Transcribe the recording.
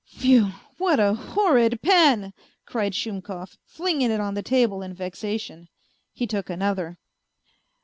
" Phew ! What a horrid pen," cried Shumkov, flinging it on the table in vexation. He took another.